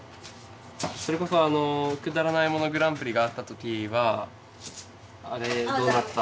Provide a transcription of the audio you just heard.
それこそあのくだらないものグランプリがあった時はあれどうだった？